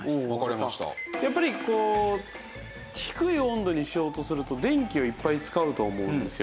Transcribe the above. やっぱりこう低い温度にしようとすると電気をいっぱい使うと思うんですよ。